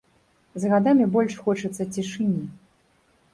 З гадамі больш хочацца цішыні.